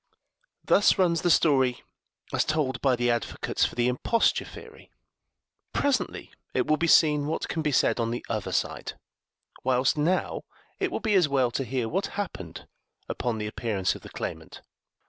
Thus runs the story as told by the advocates for the imposture theory; presently it will be seen what can be said on the other side; whilst now it will be as well to hear what happened upon the appearance of the claimant.